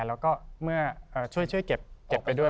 แล้วก็ช่วยเก็บไปด้วย